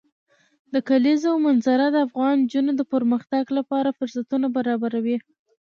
د کلیزو منظره د افغان نجونو د پرمختګ لپاره فرصتونه برابروي.